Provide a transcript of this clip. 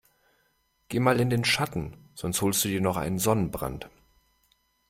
Geh mal in den Schatten, sonst holst du dir noch einen Sonnenbrand.